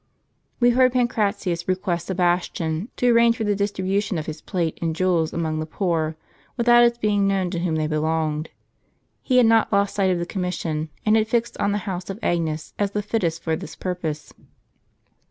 We heard Pancratius request Sebastian, to arrange for the distribution of his plate and jewels among the poor, without its being known to whom they belonged. He had not lost sight of the commission, and had fixed on the house of Agnes as the fittest for this purpose.